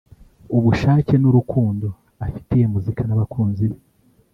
ubushake n’urukundo afitiye muzika n’abakunzi be